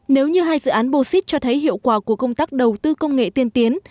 nếu như hai dự án bosit cho thấy hiệu quả của công tác đầu tư công nghệ tiên tiến